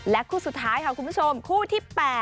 คู่สุดท้ายค่ะคุณผู้ชมคู่ที่๘